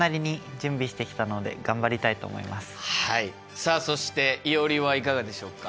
さあそしていおりはいかがでしょうか？